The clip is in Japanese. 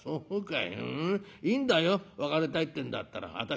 いいんだよ別れたいってえんだったら私に遠慮しないで。